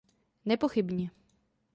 Nepochybně.